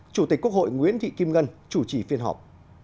chủ tịch quốc hội nguyễn thị kim ngân chủ trì phiên họp